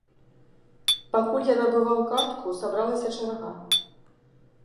Пакуль я набываў картку, сабралася чарга.